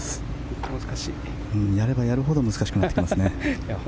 やればやるほど難しくなってきますね。